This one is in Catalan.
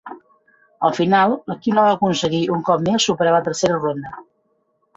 Al final, l'equip no va aconseguir un cop més superar la tercera ronda.